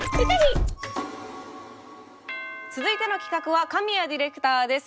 続いての企画は神谷ディレクターです。